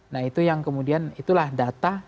nah itu yang kemudian itulah data